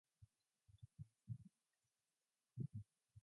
The act did not mention anything in specific about relations to Germany.